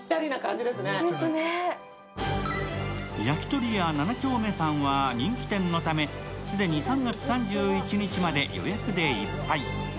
焼き鳥屋七鳥目さんは人気店のため、既に３月３１日まで予約でいっぱい。